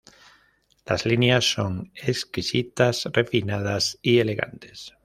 Las líneas son exquisitas, refinadas y elegantes.